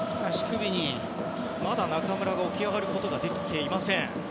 まだ中村が起き上がることができていません。